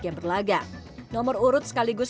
yang berlagak nomor urut sekaligus